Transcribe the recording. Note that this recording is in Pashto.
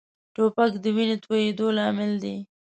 توپک د وینې تویېدو لامل دی.